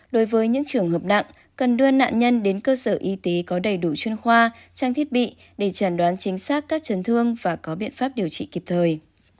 đối với những trường hợp nặng cần đưa nạn nhân đến cơ sở y tế có đầy đủ chuyên khoa trang thiết bị để chẩn đoán chính xác các chấn thương và có biện pháp điều trị kịp thời